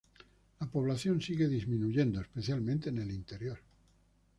La población sigue disminuyendo, especialmente en el interior.